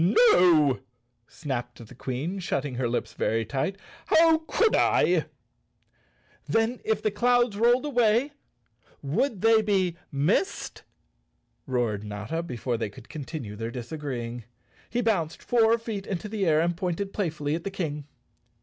"No," snapped the Queen, shutting her lips very tight. "How could I?" The Cowardly Lion of Oz _ "Then, if the clouds rolled away, would they be mist?" roared Notta, before they could continue their disagreeing. He bounced four feet into the air and pointed playfully at the King.